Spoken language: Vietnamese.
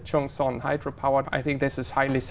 nhưng chúng ta cũng có những sản phẩm